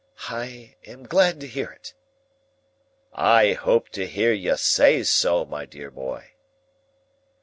"I am glad to hear it." "I hope to hear you say so, my dear boy."